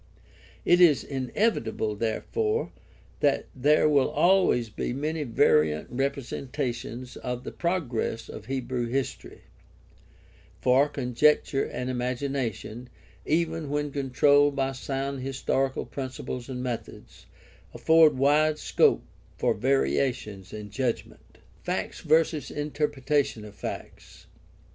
It is inevitable, therefore, that there will always be many variant representations of the progress of Hebrew history; for conjecture and imagination, even when controlled by sound historical principles and methods, afford wide scope for variations in judgment. Facts versus interpretation of facts.